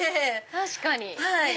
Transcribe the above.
確かに。